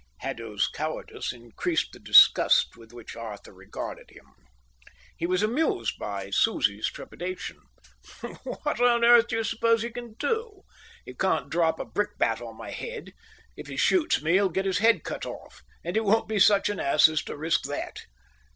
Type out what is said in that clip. Haddo's cowardice increased the disgust with which Arthur regarded him. He was amused by Susie's trepidation. "What on earth do you suppose he can do? He can't drop a brickbat on my head. If he shoots me he'll get his head cut off, and he won't be such an ass as to risk that!"